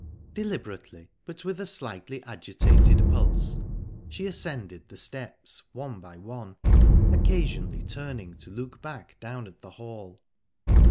Deliberately, but with a slightly agitated pulse, she ascended the steps one by one, occasionally turning to look back down at the hall.